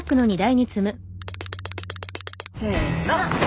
せの。